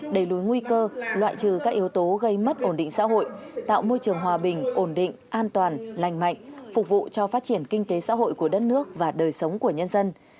đẩy lùi nguy cơ loại trừ các yếu tố gây mất ổn định xã hội tạo môi trường hòa bình ổn định an toàn lành mạnh phục vụ cho phát triển kinh tế xã hội của đất nước và đời sống của nhân dân